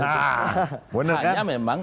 nah bener kan hanya memang